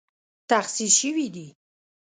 تخصیص شوې دي